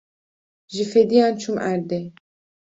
Ji fêdiyan çûm erdê.